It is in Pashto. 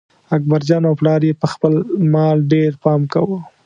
اکبرجان او پلار یې په خپل مال ډېر پام کاوه.